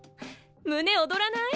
胸躍らない？